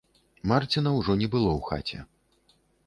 Марціна ўжо не было ў хаце.